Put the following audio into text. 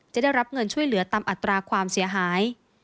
จะได้รับเงินช่วยเหลือตามอัตราความเสียหาย